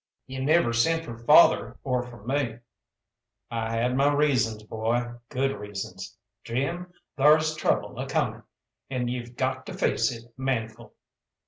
"You never sent for father, or for me." "I had reasons, boy, good reasons. Jim, thar's trouble a comin', and you've got to face it manful."